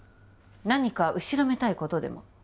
何か後ろめたいことでも？